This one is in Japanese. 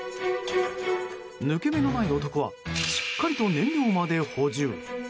抜け目のない男はしっかりと燃料まで補充。